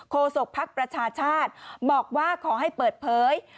ศกภักดิ์ประชาชาติบอกว่าขอให้เปิดเผย